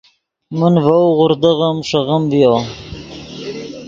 من ڤؤ غوردغیم ݰیغیم ڤیو